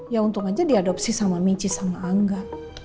ya untung aja dia adopsi sama michi sama angga